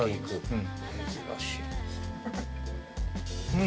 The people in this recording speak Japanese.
うん。